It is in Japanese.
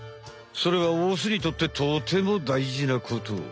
それはオスにとってとても大事なこと。